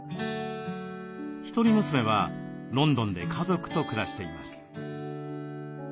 一人娘はロンドンで家族と暮らしています。